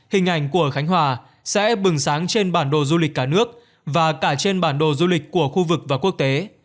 hình ảnh của khánh hòa sẽ bừng sáng trên bản đồ du lịch cả nước và cả trên bản đồ du lịch của khu vực và quốc tế